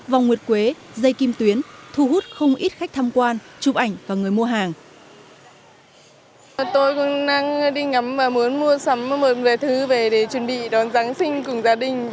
vòng nguyệt quế dây kim tuyến thu hút không ít khách tham quan chụp ảnh và người mua hàng